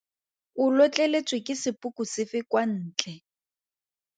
O lotleletswe ke sepoko sefe kwa ntle?